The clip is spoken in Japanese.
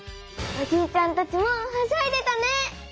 おじいちゃんたちもはしゃいでたね！